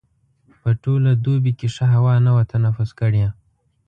په ټوله دوبي کې ښه هوا نه وه تنفس کړې.